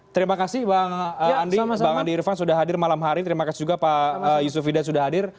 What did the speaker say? terima kasih bang andi bang andi irfan sudah hadir malam hari terima kasih juga pak yusuf wida sudah hadir